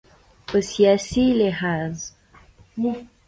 په سیاسي لحاظ